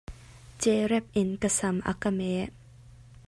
Cehrep in ka sam a ka meh.